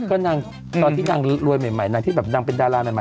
ก็นางตอนที่นางเรือยใหม่นางเป็นดาราใหม่